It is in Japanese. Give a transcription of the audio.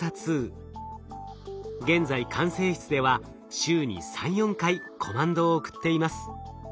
現在管制室では週に３４回コマンドを送っています。